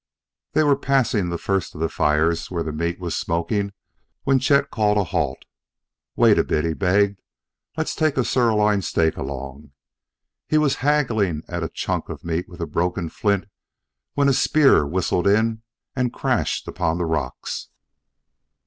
They were passing the first of the fires where the meat was smoking when Chet called a halt. "Wait a bit," he begged: "let's take a sirloin steak along " He was haggling at a chunk of meat with a broken flint when a spear whistled in and crashed upon the rocks.